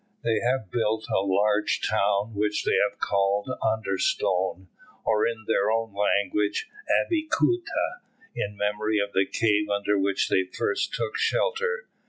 They have built a large town, which they have called Understone, or, in their own language, Abeokuta, in memory of the cave under which they first took shelter.